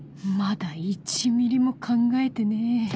まだ１ミリも考えてねえ